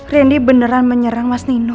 randy beneran menyerang mas nino